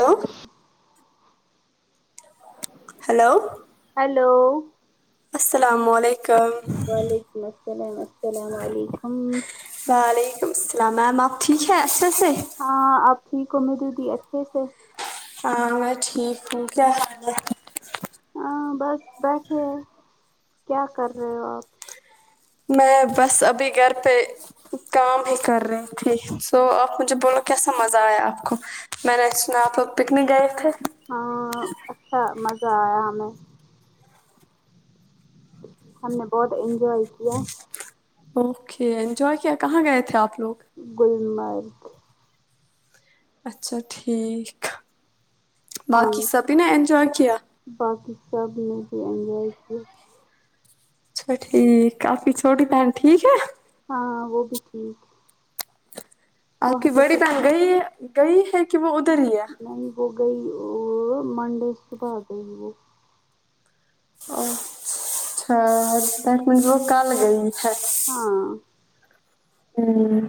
hello hello hello السلام علیکم وعلیکم السلام السلام علیکم وعلیکم السلام میم آپ ٹھیک ہیں اچھے سے ہاں آپ ٹھیک ہو مجھے بھی اچھے سے ہاں میں ٹھیک ہو کیا ہاں بس بیس ہی ہے کیا کر رہے ہو آپ میں بس ابھی گھر پہ کام ہی کر رہی تھی سو آپ مجھے بوولو کیسا مزہ آیا آپ کو میں نے سنة ہے آپ پکنک گئے تھے ہاں اچھا مزہ آیا ہمیں ہم نے بہت انج اوکے انجوائے کیا کہاں گئے تھے آپ لوگ گللمرگ اچھا ٹھیک ہاں باقی سبھی نے انجوائے کیا باقی سب نے بھی اینجوائے کیا اچھا ٹھیک کافی چھوٹی بھن ٹھیک ہے ہاں وہ بھی ٹھیک آ وہاں پکی پہ بڑی بہن سب گئی گئی ہے کہ وہ ادھر ہی ہے نہیں وہ گ وہ منڈے صبح گی وہ او اچھا دٹ مین وہ کل گئی ہاں ہوں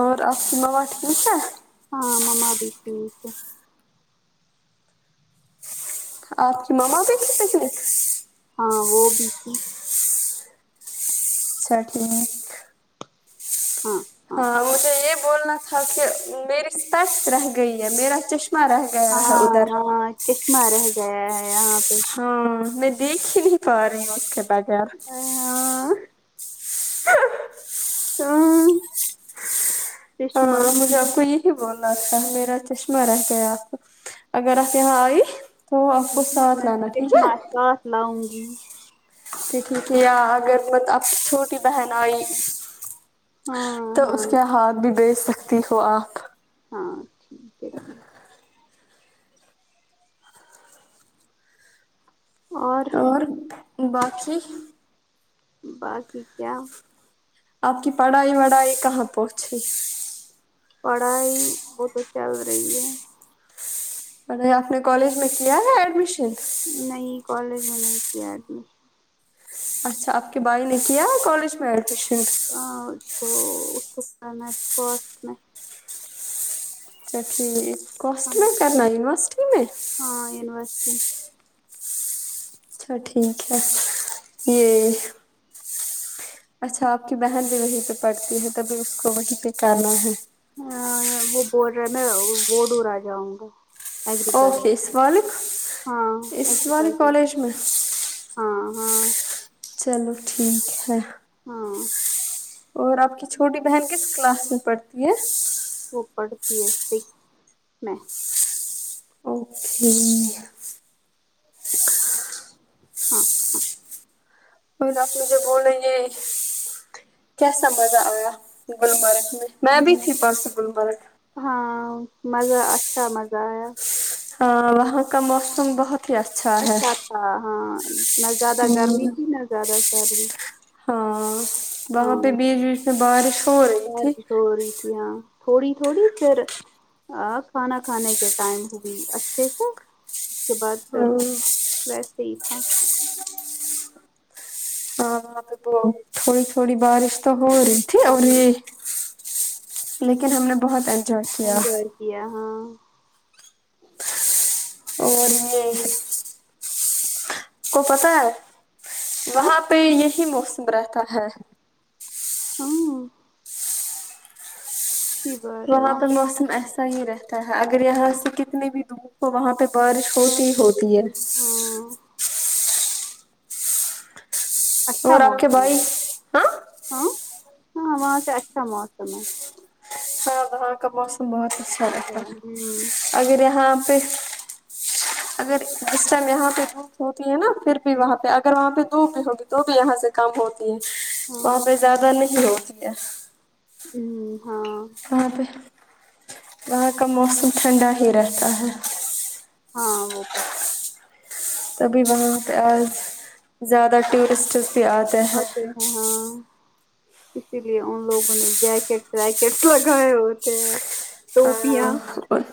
اور آپ کی مما ٹھیک ہے ہاں مما بھی ٹھیک ہے آپ کی ماما بھی گی تھی پکنک ہاں وہ بھی تھی اچھا ٹھیک ہاں ہاں مجھے یہ بولنا تھا کہ میری اسپکس رہ گئی ہے میرا چشمہ رہ گیا ہے ہاں ادھر ہاں چشمہ رہ گیا ہے یہاں پہ ہاں میں دیکھ ہی نہیں پا رہی ہوں اس کے بغیر ہاں ہ سا ہاں مجھے آپ کو یہ بولنا تھا میرا چشمہ رہ گیا آپ اگر آپ یہاں آئی تو آپ کو ساتھ لانا ٹھیک ہے لاوگی تو ٹھیک ہے یا اگر آپ چھوٹی بہن آئی ہاں تو ہاں اس کے ہاتھ بھی بیچ سکتی ہو آ ہاں ٹھیک ہے ٹھیک اور اور باقی باقی کیا آپ کی پڑھائی وڑھائی کہاں پہنچی پڑھائی بہت چل رہی ہے اے آپ نے کالج میں کیا ہے ایڈمیشن نہیں کالج میں نہیں کیا ایڈمیشن اچھا آپ کے بھائی نے کیا کالج میں ایڈمیشن اس کو اس کو پا اسکاٹ میں اچھا ٹھیک کوسٹ ہاں میں کرنا یونیورسٹی میں تو اچھا ٹھیک ہے یہ اچھا آپ کی بہن بھی وہیں پہ پڑتی ہے تبھی اس کو وہیں پہ کرنا ہے وہ بول رہا میں وہ دور آ جاؤں گا ایگریکلچر اوفس والے ہاں اس والے ایگریکلچر کالج میں ہاں ہاں چلو ٹھیک ہے ہاں اور آپ کی چھوٹی بہن کس کلاس میں پڑھتی ہے وہ پڑھتی سیک میں ہوں ہاں ہاں پھر آپ مجھے بولے یہ کیسا مزہ آیا گلبرگہ میں میں بھی تھی پرسو گلبرگہ ہاں مزہ اچھا مزہ آیا ہاں وہاں کا موسم بہت ہی ہے اچھا تھا ہاں نہ زیادہ گرمی ہوں تھی نہ زیادہ سردی ہاں وہاں ہاں پہ بیچ بیچ میں بارش ہو رہی تھی بارش ہو رہی تھی ہاں تھوڑی تھوڑی پھر کھانا کھانے کے ٹائم ہوگی اچھے سے اس کے بعد پھر ہاں ویسے ہی تھا ہاں، وہاں پہ تو تھوڑی تھوڑی بارش تو ہو رہی تھی ہاں اور یہ لیکن ہم نے بہت انجوائے کیا انجوائے کیا ہاں اور بھی کو پتا ہے ہاں وہاں پہ یہی موسم رہتا ہے ہاں اچھی بات ہے وہاں پہ موسم ایسا ہی رہتا ہے اگر یہاں سے کتنی بھی دھوپ ہو وہاں پہ بارش ہوتی ہی ہوتی ہے ہاں اچھا اور آپ کے موسم بھائی ہے ہاں ہاں ہاں وہاں سے اچھا موسم ہے ہاں وہاں کا موسم بہت اچھا رہتا ہے اگر یہاں پہ اگر جس ٹائم یہاں پہ برف ہوتی ہے نا پھر بھی وہاں پہ اگر وہاں پہ دھوب بھی ہوگی تو بھی یہاں سے کم ہوتی ہے وہاں ہوں پہ زیادہ نہیں ہوتی ہے ہوں ہاں وہاں پہ وہاں کا موسم ٹھنڈا ہی رہتا ہے ہاں وہک تب ہی وہاں پہ آج زیادہ ٹورسٹس بھی ہیں اتے ہیں ہاں اسی لیے ان لوگوں نے جیکٹ ویکٹ لگائے ہوئے تھے ٹوپیاں ہاں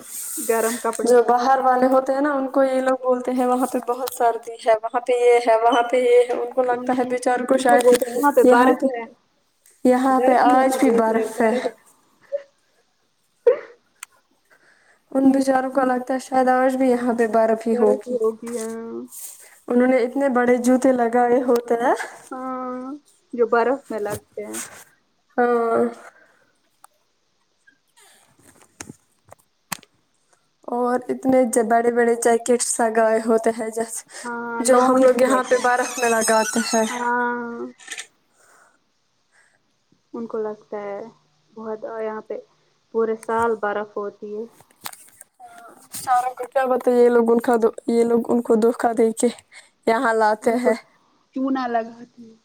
گرم کپڑے جو باہر والے ہوتے ہیں نا ان کو یہ لوگ بولتے ہیں وہاں پہ بہت سردی ہے وہاں پہ یہ ہے وہاں پہ یہ ہے کو لگتا ہے بچاروں کو ان شاید بولتے ہیں وہاں یہاں پہ بارش ہے یہاں پہ گرمی آج میں بھی بولتے ہیں برف ہے بارش ان بیچاروں کو لگتا ہے شاید آج بھی یہاں پہ برف ہی ہوگی انہوں نے اتنے بڑے جوتے لگائے ہوتے ہیں ہاں جو برف میں لگتے ہیں ہاں اور اتنے بڑے بڑے جیکٹس لگائے ہوتے ہیں جیسے ہاں جو ہم لانگ لوگ یہاں جیکٹ پہ برف میں لگاتے ہیں ہاں ان کو لگتا ہے بہت یہاں پہ پورے سال برف ہوتی ہے ساروں کو کیا بتا یہ لوگ ان کا یہ لوگ ان کو دھوکا دے کے یہاں لاتے ان کو ہیں چونا لگتی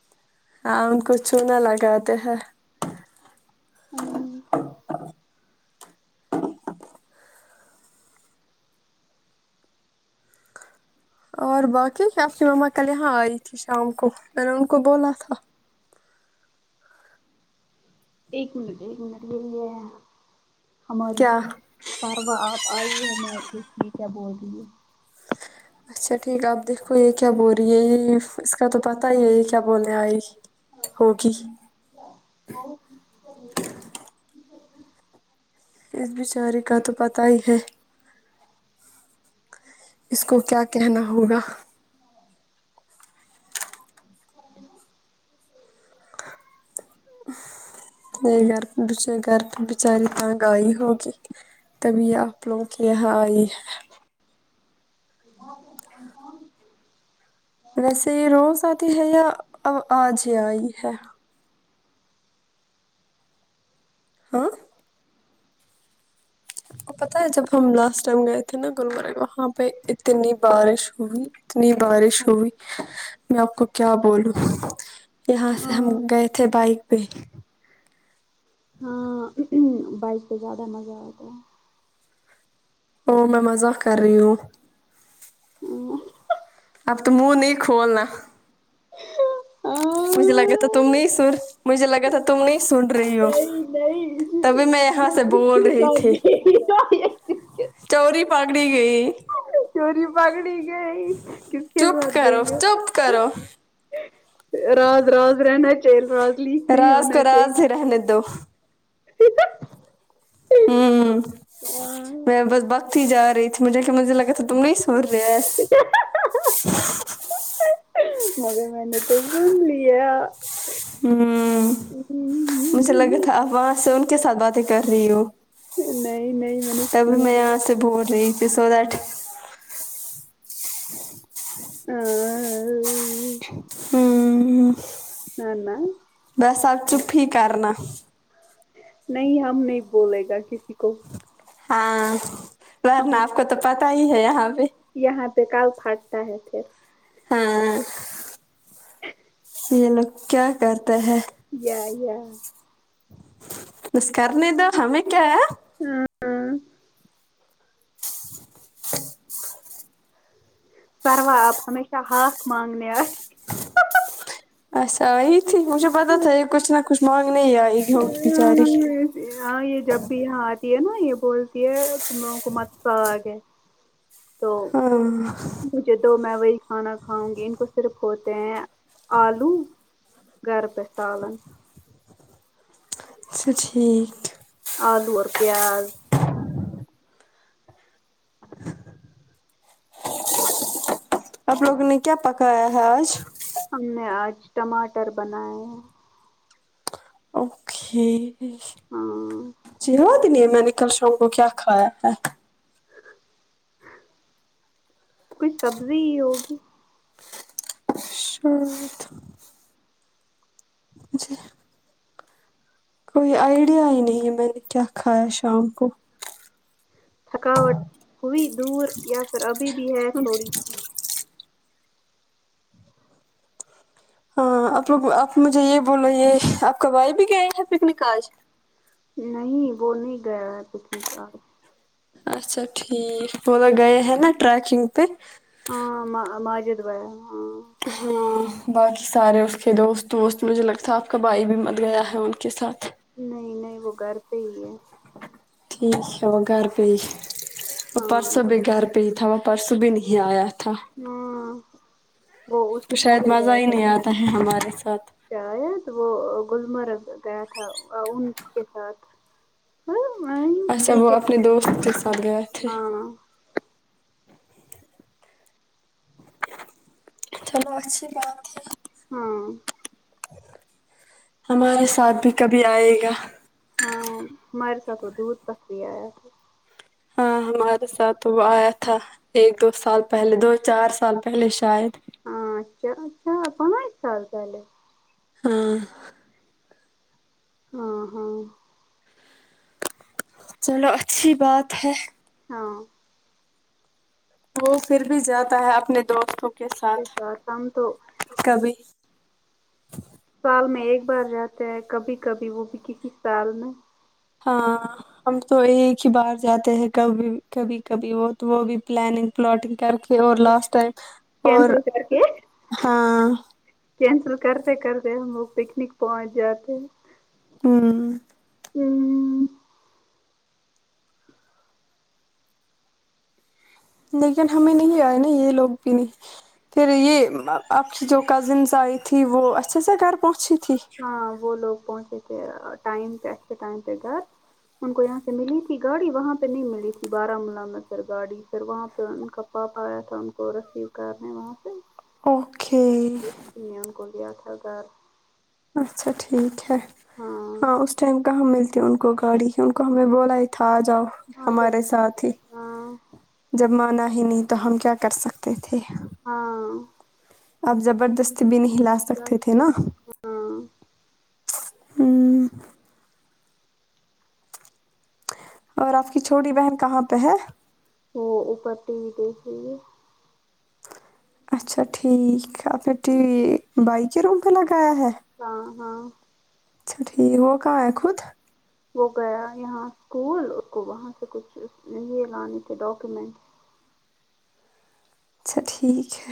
ہاں ان کو چونا لگاتے ہیں آمم اور باکی آپ کی مما کل یہاں آئی تھی شام کو میں نے ان کو بولا تھا ایک منٹ ایک منٹ یے لیے ہماری کیا پرواں آپ آئی ہو میں ٹھیک ہے بول دو گی اچھا ٹھیک ہے آپ دیکھو یے کیا بول رہی ہے یے اس کا تو پتا ہی ہے یے کیا بولے آئی ہوگی اور اس بچارے کا تو پتا ہی ہے اس کو کیا کہنا ہوگا یے گر بچ میں گر بچاری تہنگ اگئی ہوگی تبھی آپ لوگ کے یہاں ائی ہے [inaudible] ویسے یہ روز آتی ہے یا ا آج آئی ہے ہاں پتہ ہے جب ہم لاسٹ ٹائم گئے تھے نا گلبرگہ وہاں پے اتنی بارش ہوئی اتنی بارش ہوئی میں آپ کو کیا بولوں یہاں سے ہم ہاں گئے تھے بائک پے ہاں بائک پے زیادہ مزہ آتا ہے ہوں میں مزاق کر رہی ہوں اب تو منہ نہیں کھولنا مجھے لگا تھا تم نہیں سر مجھے لگا تھا تم نہیں سن رہی ہو نہیں نہیں تبھی میں یہاں سے بول رہی تھی [unintelligible] چوری پکڑی گئی چوری پکڑی گئی کس کے چپ ساتھ گئی کرو ہے چپ کرو راز راز رہنا چاہیے راز لیک نہیں راز ہونا کو راز چاہیے ہی رہنے دو ہوں ہاں میں بس بکتی جا رہی تھی مجھے کہ مجھے لگا تھا تم نہیں سن رہے مگر میں نے تو سن لیا ہوں مجھے لگا تھا آپ وہاں سہیل ساتھ باتیں کر رہی ہو نہیں نہیں میں نے تبھی سن میں لیا یہاں سے بول رہی تھی سو دیٹ آں ہوں نا نا بسا آپ چپ ہی کرنا نہیں ہم نہیں بولے گا کسی کو ہاں ورنا ہم آپ کو تو پتا ہی ہے یہاں پے یہاں پے کل پھاٹتا ہے پھر ہاں یہ لوگ کیا کرتے ہیں یا یا بس کر نے دو ہمیں کیا ہے ہاں ہاں سر وہ آپ ہمیشہ ہاتھ مانگنے آ ۓ اچھا یہی تھی مجھے پتا تھا یہ کچھ نہ کچھ مانگنے ہی آئی ہوگی بچاری ہاں یہ جب بھی یہاں آتی ہے نا یہ بولتی ہے تم لوگوں کو مت [unintelligible] اگے ہاں مجھے دو میں وہی کھانا کھاؤں گی ان کو صرف ہوتے ہیں آلو گھر پہ سالن اچھا ٹھیک آلو اور پیاز آپ لوگوں نے کیا پکایا ہے آج ہم نے آج ٹماٹر بنائے ہیں ہاں چیو دنی ہے میں نکل شوگ کو کیا کایا ہے کچھ سبزی ہی ہوگی ش کوئی آئیڈیا ہی نہیں ہے میں نے کیا کھایا شام کو تھکاوٹ ہوئی دور یا پھر ابھی بھی ہے تھوڑی سی ہاں آپ لوگ آپ مجھے یہ بولو یہ آپ کبھائی بھی گئے ہیں پکنک آج نہیں وہ نہیں گیا ہے تو ٹھیک اچھا ٹھیک پ ل گی ہیں نا رییکنگ پ ہاں ماجدوار ہاں ہاں باقی سارے اس کے دوست وست مجھے لگتا آپ کا بھائی بھی مت گیا ہے ان کے ساتھ نہیں نہیں وہ گھر پہ ہی ہے ٹھیک ہے وہ گھر پے وہ ہاں پرسوں بھی گھر پے ہی تھا پرسوں بھی نہیں آیا تھا ہاں وہ اس سے تو شاید پہلے مزہ گیا ہی نہیں آتا ہے ہمارے ساتھ تھا آیا تو وہ گلمرگ گیا تھا ان کے ساتھ اچھا وہ اپنے کرکٹ دوست کے ساتھ گئے تھے ہاں چلو اچھی بات ہے ہاں ہمارے ساتھ بھی کبھی آئے گا ہاں ہمارے ساتھ وہ دودھ پک بھی آیا تھا ہاں ہمارے ساتھ تو وہ آیا تھا ایک دو سال پہلے دو چار سال پہلے شاید ہاں چا چار پانچ سال پہلے ہاں ہ ہاں چلو اچھی بات ہے ہاں وہ پھر بھی جاتا ہے اپنے دوستوں کے ساتھ کبھی سال میں ایک بار جاتتے ہیں کبھی کبھی وہ بھی کسی سال میں ہاں ہم تو ایک ہی باہر جاتے ہیں کبھی کبھی کبھی وہ وہ بھی پلاننگ پلاٹنگ کر اور لاسٹ ٹائم اور کینسل کر کے ہاں کینسل کرتے کرتے ہم وہوگ پکنک پہنچ جاتے ہوں ہوں لیکن ہمیں نہیں آئے نا یہ لوگ بھی نہیں پھر یہ آپ کی جو کزنس آئی تھیں وہ اچھے سے گھر پہنچی تھی ہاں وہ لوگ پہنچے تھے ٹائم پہ اٹھ کے ٹائم پے گھر ان کو یہاں سے ملی تھی گاڑی وہاں پہ نہیں ملی تھی بارامولہ میں سر گاڑی سر وہاں پہ ان کا پاپا اتھام کوور رسسیو کرنے میںاس اوکے مین کلیہ تھا گھر اچھا ٹھیک ہے ہاں اس ٹائم کہاں مل ت ان کو گاڑی ان کو ہمیں بولا ہی تھا آ جاؤ آ جا ہمارے ساتھ ہی ہاں جب مانا ہی نہیں تو ہم کیا کر سکتے تھے ہاں آپ زبردستی بھی نہیں لا سکتے تھے نا ہاں ہوں اور آپ کی چھوٹی بہن کہاں پہ ہے وہ اوپر ٹی وی دیکھ رہی ہے اچھا ٹھیک آپ نےٹی وی بھائی کے روم پہ لگایا ہے ہاں ہاں اچھا ٹھیک وہ کہاں ہے خود وہ گیا یہاں اسکول اس کو وہاں سے کچھ یہ لانے تھے ڈاکیومینٹ اچھا ٹھیک ہے